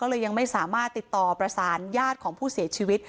เลยยังไม่สามารถติดต่อประสานญาติของผู้เสียชีวิต